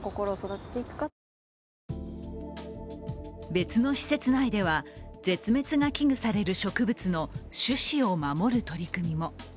別の施設内では、絶滅が危惧される植物の種子を守る取り組みも。